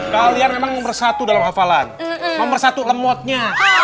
kalian memang bersatu dalam hafalan nomor satu lemotnya